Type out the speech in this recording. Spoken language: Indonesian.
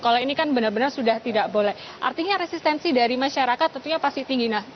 kalau ini kan benar benar sudah tidak boleh artinya resistensi dari masyarakat tentunya pasti tinggi